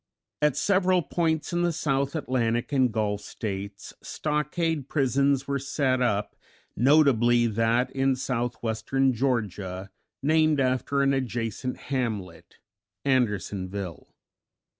At several points in the South Atlantic and Gulf States, stockade prisons were set up, notably that in Southwestern Georgia, named after an adjacent hamlet, "Andersonville."